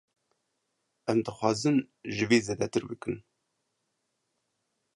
Em dixwazin ji vî zêdetir bikin.